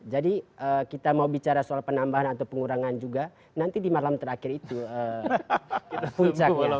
jadi kita mau bicara soal penambahan atau pengurangan juga nanti di malam terakhir itu puncak ya